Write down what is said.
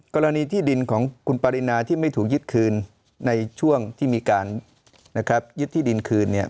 กรณีที่ดินของคุณปรินาที่ไม่ถูกยึดคืนในช่วงที่มีการนะครับยึดที่ดินคืนเนี่ย